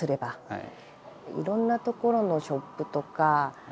はい。